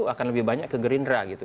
akan lebih banyak ke gerindra gitu